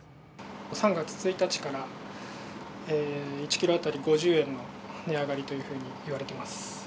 ３月１日から、１キロ当たり５０円の値上がりというふうにいわれてます。